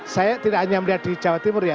saya tidak hanya melihat di jawa timur ya